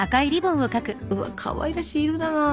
うわかわいらしい色だな。